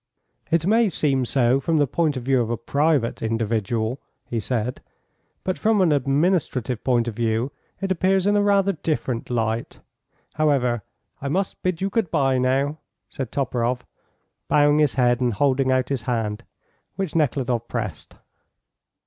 "It may seem so from the point of view of a private individual," he said, "but from an administrative point of view it appears in a rather different light. However, I must bid you good bye, now," said Toporoff, bowing his head and holding out his hand, which Nekhludoff pressed.